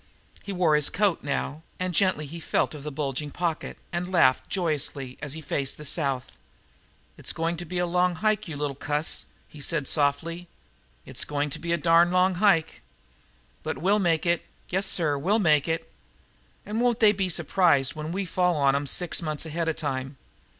He wore his coat now, and gently he felt of the bulging pocket, and laughed joyously as he faced the South. "It's goin' to be a long hike, you little cuss," he said softly. "It's goin' to be a darned long hike. But we'll make it. Yessir, we'll make it. And won't they be s'prised when we fall in on 'em, six months ahead of time?"